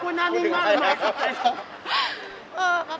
คุณน่ามีมาก